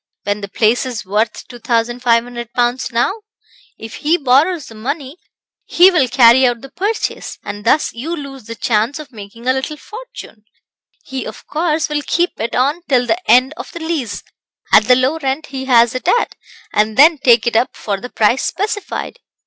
when the place is worth 2,500 pounds now; if he borrows the money, he will carry out the purchase, and thus you lose the chance of making a little fortune. He, of course, will keep it on till the end of the lease, at the low rent he has it at, and then take it up for the price specified.